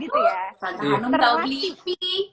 kan hanum tau blippi